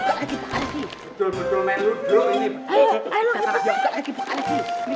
buka lagi buka lagi